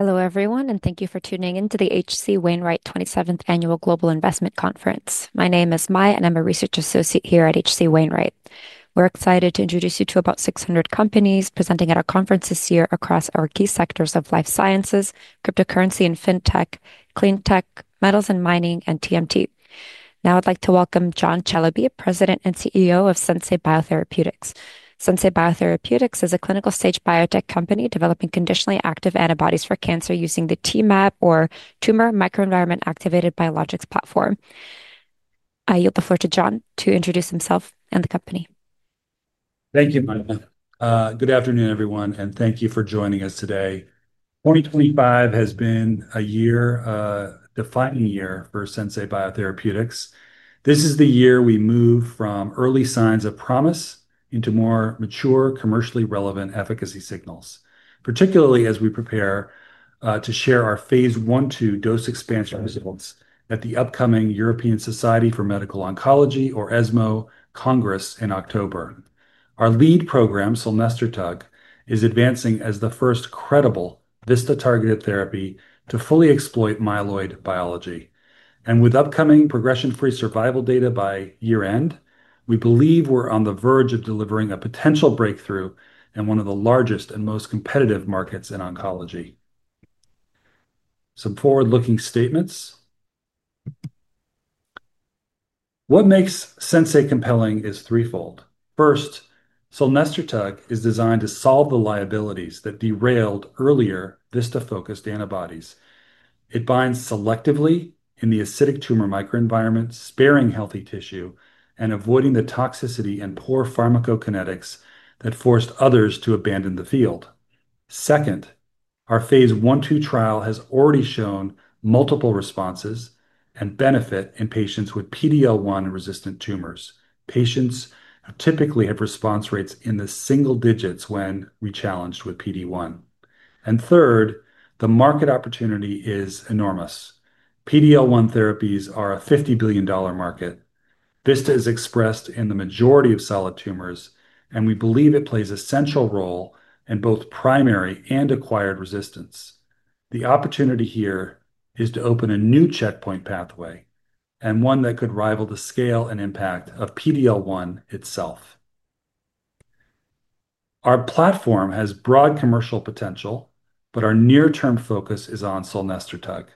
Hello everyone, and thank you for tuning in to the H.C. Wainwright 27th Annual Global Investment Conference. My name is Mai, and I'm a Research Associate here at H.C. Wainwright. We're excited to introduce you to about 600 companies presenting at our conference this year across our key sectors of life sciences, cryptocurrency and fintech, clean tech, metals and mining, and TMT. Now I'd like to welcome John Celebi, President and CEO of Sensei Biotherapeutics. Sensei Biotherapeutics is a clinical-stage biotech company developing conditionally active antibodies for cancer using the Tumor Microenvironment Activated biologics (TMAb) platform. I yield the floor to John to introduce himself and the company. Thank you, Mai. Good afternoon, everyone, and thank you for joining us today. 2025 has been a year, a defining year for Sensei Biotherapeutics. This is the year we move from early signs of promise into more mature, commercially relevant efficacy signals, particularly as we prepare to share our phase I to dose expansion results at the upcoming European Society for Medical Oncology, or ESMO, Congress in October. Our lead program, Solnerstotug, is advancing as the first credible VISTA-targeted therapy to fully exploit myeloid biology. With upcoming progression-free survival data by year-end, we believe we're on the verge of delivering a potential breakthrough in one of the largest and most competitive markets in oncology. Some forward-looking statements. What makes Sensei compelling is threefold. First, Solnerstotug is designed to solve the liabilities that derailed earlier VISTA-focused antibodies. It binds selectively in the acidic tumor microenvironment, sparing healthy tissue and avoiding the toxicity and poor pharmacokinetics that forced others to abandon the field. Second, our phase I/II trial has already shown multiple responses and benefit in patients with PD-L1 resistant tumors. Patients typically have response rates in the single digits when rechallenged with PD-1. Third, the market opportunity is enormous. PD-L1 therapies are a $50 billion market. VISTA is expressed in the majority of solid tumors, and we believe it plays a central role in both primary and acquired resistance. The opportunity here is to open a new checkpoint pathway, and one that could rival the scale and impact of PD-L1 itself. Our platform has broad commercial potential, but our near-term focus is on Solnerstotug.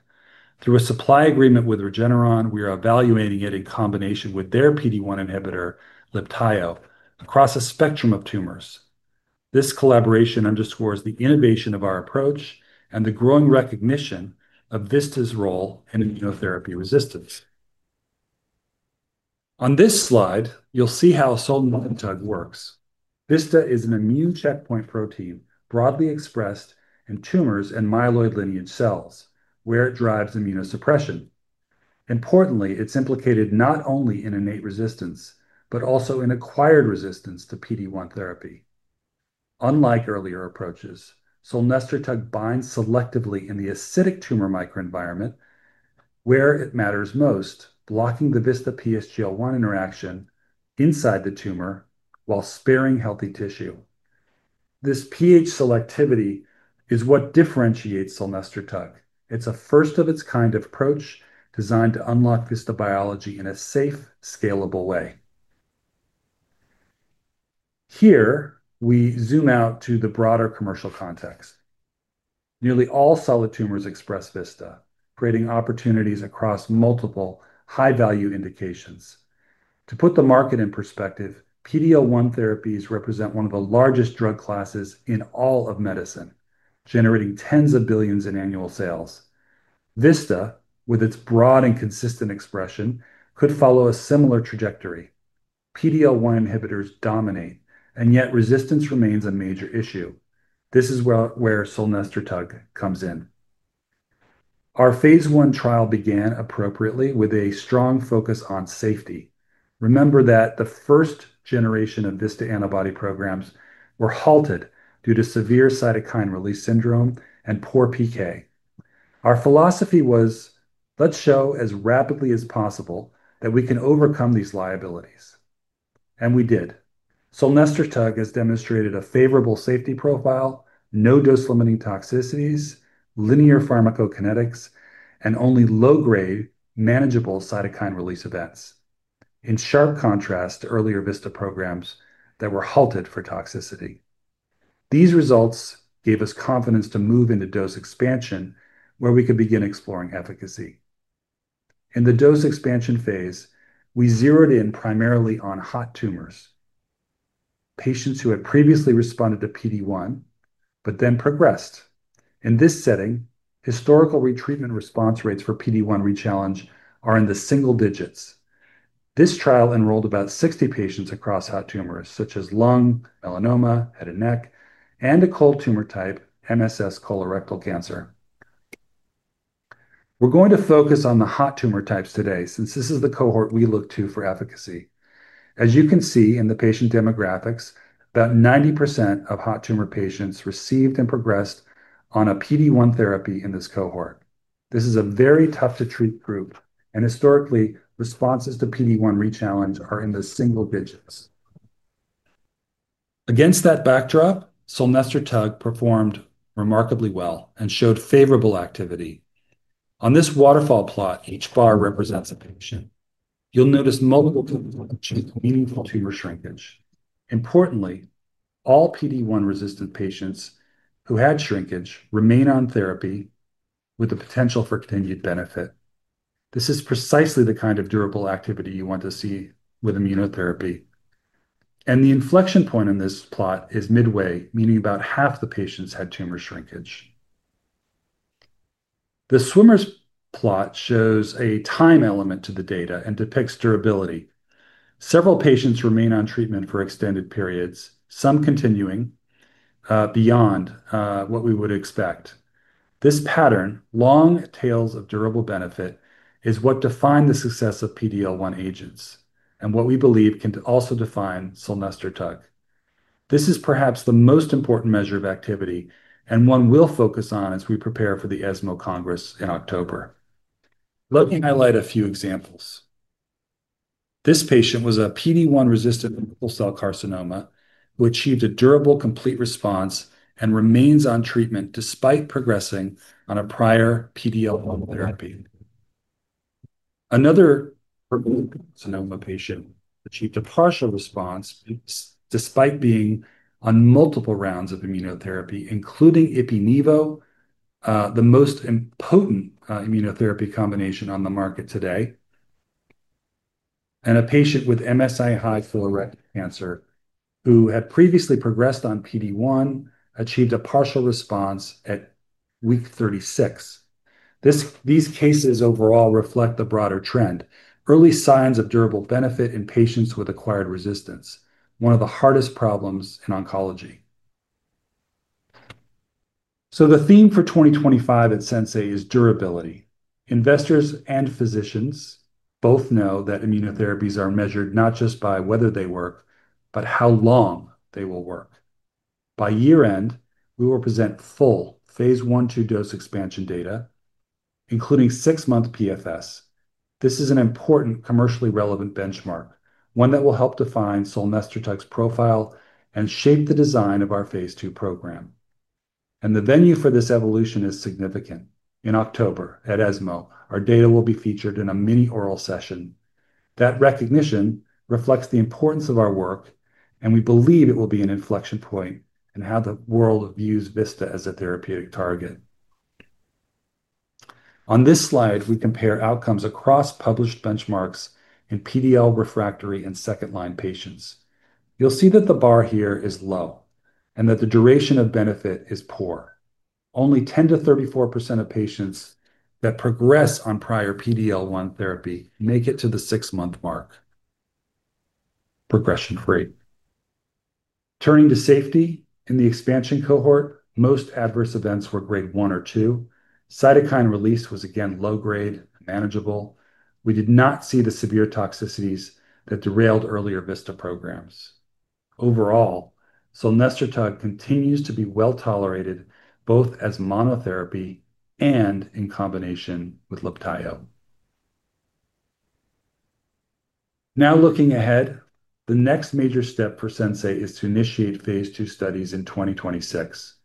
Through a supply agreement with Regeneron, we are evaluating it in combination with their PD-1 inhibitor, Libtayo, across a spectrum of tumors. This collaboration underscores the innovation of our approach and the growing recognition of VISTA's role in immunotherapy resistance. On this slide, you'll see how Solnerstotug works. VISTA is an immune checkpoint protein broadly expressed in tumors and myeloid lineage cells, where it drives immunosuppression. Importantly, it's implicated not only in innate resistance, but also in acquired resistance to PD-1 therapy. Unlike earlier approaches, Solnerstotug binds selectively in the acidic tumor microenvironment where it matters most, blocking the VISTA-PSGL-1 interaction inside the tumor while sparing healthy tissue. This pH selectivity is what differentiates Solnerstotug. It's a first-of-its-kind approach designed to unlock VISTA biology in a safe, scalable way. Here, we zoom out to the broader commercial context. Nearly all solid tumors express VISTA, creating opportunities across multiple high-value indications. To put the market in perspective, PD-L1 therapies represent one of the largest drug classes in all of medicine, generating tens of billions in annual sales. VISTA, with its broad and consistent expression, could follow a similar trajectory. PD-L1 inhibitors dominate, yet resistance remains a major issue. This is where Solnerstotug comes in. Our phase I trial began appropriately with a strong focus on safety. Remember that the first generation of VISTA antibody programs were halted due to severe cytokine release syndrome and poor PK. Our philosophy was, let's show as rapidly as possible that we can overcome these liabilities. We did. Solnerstotug has demonstrated a favorable safety profile, no dose-limiting toxicities, linear pharmacokinetics, and only low-grade, manageable cytokine release events. In sharp contrast to earlier VISTA programs that were halted for toxicity. These results gave us confidence to move into dose expansion, where we could begin exploring efficacy. In the dose expansion phase, we zeroed in primarily on hot tumors, patients who had previously responded to PD-1 but then progressed. In this setting, historical retreatment response rates for PD-1 rechallenge are in the single digits. This trial enrolled about 60 patients across hot tumors, such as lung, melanoma, head and neck, and a cold tumor type, MSS colorectal cancer. We're going to focus on the hot tumor types today since this is the cohort we look to for efficacy. As you can see in the patient demographics, about 90% of hot tumor patients received and progressed on a PD-1 therapy in this cohort. This is a very tough-to-treat group, and historically, responses to PD-1 rechallenge are in the single digits. Against that backdrop, Solnerstotug performed remarkably well and showed favorable activity. On this waterfall plot, each bar represents a patient. You'll notice multiple tumor shrinkage. Importantly, all PD-1 resistant patients who had shrinkage remain on therapy with the potential for continued benefit. This is precisely the kind of durable activity you want to see with immunotherapy. The inflection point in this plot is midway, meaning about half the patients had tumor shrinkage. The swimmer's plot shows a time element to the data and depicts durability. Several patients remain on treatment for extended periods, some continuing beyond what we would expect. This pattern, long tails of durable benefit, is what defined the success of PD-L1 agents and what we believe can also define Solnerstotug. This is perhaps the most important measure of activity, and one we'll focus on as we prepare for the ESMO Congress in October. Let me highlight a few examples. This patient was a PD-1 resistant cell carcinoma who achieved a durable complete response and remains on treatment despite progressing on a prior PD-L1 therapy. Another carcinoma patient achieved a partial response despite being on multiple rounds of immunotherapy, including Ipi/Nivo, the most potent immunotherapy combination on the market today. A patient with MSI high colorectal cancer, who had previously progressed on PD-1, achieved a partial response at week 36. These cases overall reflect the broader trend, early signs of durable benefit in patients with acquired resistance, one of the hardest problems in oncology. The theme for 2025 at Sensei is durability. Investors and physicians both know that immunotherapies are measured not just by whether they work, but how long they will work. By year-end, we will present full phase I/II dose expansion data, including six-month PFS. This is an important commercially relevant benchmark, one that will help define Solnerstotug's profile and shape the design of our phase II program. The venue for this evolution is significant. In October at ESMO, our data will be featured in a mini oral session. That recognition reflects the importance of our work, and we believe it will be an inflection point in how the world views VISTA as a therapeutic target. On this slide, we compare outcomes across published benchmarks in PD-L refractory and second-line patients. You'll see that the bar here is low and that the duration of benefit is poor. Only 10% - 34% of patients that progress on prior PD-L1 therapy make it to the six-month mark. Progression free. Turning to safety in the expansion cohort, most adverse events were grade one or two. Cytokine release was again low grade, manageable. We did not see the severe toxicities that derailed earlier VISTA programs. Overall, Solnerstotug continues to be well tolerated both as monotherapy and in combination with Libtayo. Now looking ahead, the next major step for Sensei is to initiate phase II studies in 2026.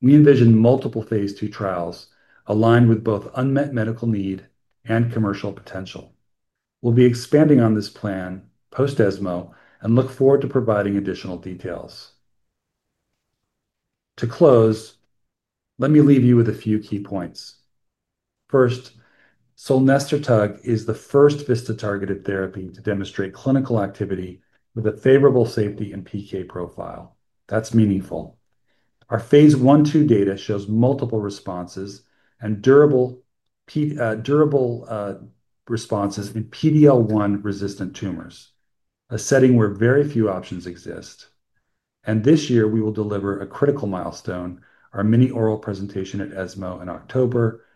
We envision multiple phase II trials aligned with both unmet medical need and commercial potential. We'll be expanding on this plan post ESMO and look forward to providing additional details. To close, let me leave you with a few key points. First, Solnerstotug is the first VISTA-targeted therapy to demonstrate clinical activity with a favorable safety and PK profile. That's meaningful. Our phase I/II data shows multiple responses and durable responses in PD-L1 resistant tumors, a setting where very few options exist. This year, we will deliver a critical milestone, our mini oral presentation at ESMO in October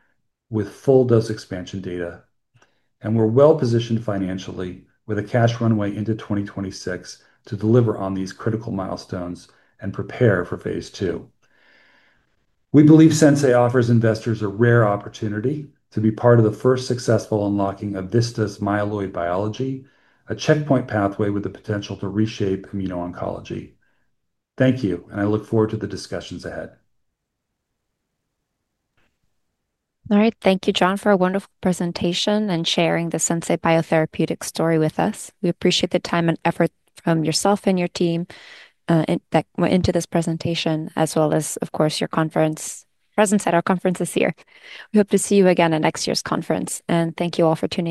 with full dose expansion data. We're well positioned financially with a cash runway into 2026 to deliver on these critical milestones and prepare for phase II. We believe Sensei offers investors a rare opportunity to be part of the first successful unlocking of VISTA's myeloid biology, a checkpoint pathway with the potential to reshape immuno-oncology. Thank you, and I look forward to the discussions ahead. All right, thank you, John, for a wonderful presentation and sharing the Sensei Biotherapeutics story with us. We appreciate the time and effort from yourself and your team that went into this presentation, as well as, of course, your presence at our conference this year. We hope to see you again at next year's conference, and thank you all for tuning in.